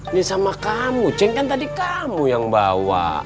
ini sama kamu ceng kan tadi kamu yang bawa